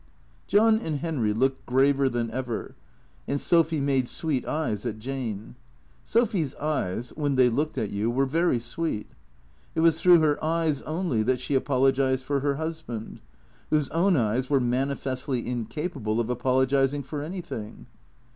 John and Henry looked graver than ever, and Sophy made sweet eyes at Jane. Sophy's eyes — when they looked at you — were very sweet. It was through her eyes only that she apologized for her husband, whose own eyes were manifestly in capable of apologizing for anything.